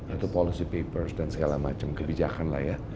atau policy papers dan segala macam kebijakan lah ya